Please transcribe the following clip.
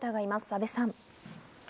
阿部さん。